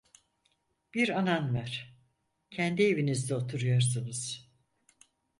Bir anan var, kendi evinizde oturuyorsunuz…